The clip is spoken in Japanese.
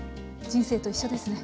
人生と一緒ですね。